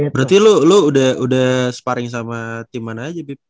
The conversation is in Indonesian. berarti lu lo udah sparring sama tim mana aja bip